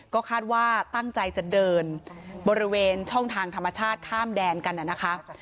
ก็คาดว่าตั้งใจจะเดินบริเวณช่องทางธรรมชาติข้ามแดนกันนะคะ